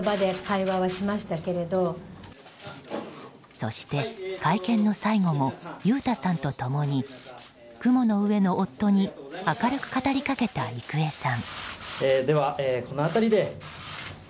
そして会見の最後も裕太さんと共に雲の上の夫に明るく語りかけた郁恵さん。